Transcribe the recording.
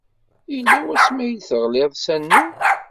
Yella wasmi ay teɣliḍ s anu?